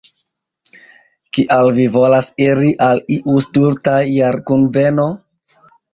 Kial vi volas iri al iu stulta jarkunveno?